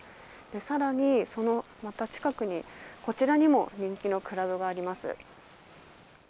更にそのまた近く、こちらにも人気のクラブがあります。